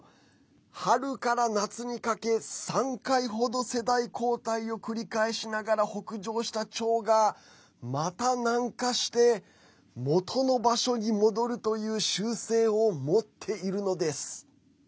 春から夏にかけ、３回程世代交代を繰り返しながら北上したチョウが、また南下して元の場所に戻るという習性を持っているのです。